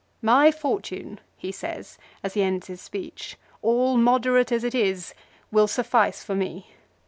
" My fortune," he says, as he ends his speech, " all moderate as it is, will suffice for me.